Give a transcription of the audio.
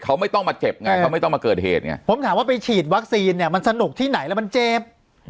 เขาไม่ต้องมาเจ็บไงเขาไม่ต้องมาเกิดเหตุไงผมถามว่าไปฉีดวัคซีนเนี่ยมันสนุกที่ไหนแล้วมันเจ็บ